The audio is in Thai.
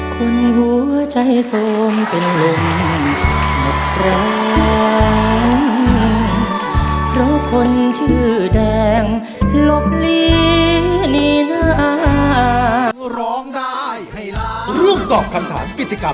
ถ้าได้ก็ดี